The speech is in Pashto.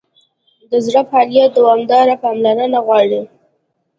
د زړه فعالیت دوامداره پاملرنه غواړي.